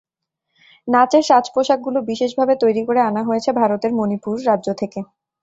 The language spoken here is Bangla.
নাচের সাজপোশাকগুলো বিশেষভাবে তৈরি করে আনা হয়েছে ভারতের মনিপুর রাজ্য থেকে।